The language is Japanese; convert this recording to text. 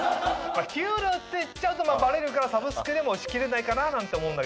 給料って言っちゃうとバレるからサブスクで押し切れないかななんて思うんだけど。